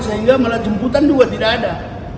sehingga malah jemputan juga tidak ada